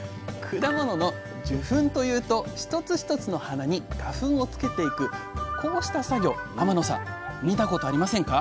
果物の受粉というと一つ一つの花に花粉をつけていくこうした作業天野さん見たことありませんか？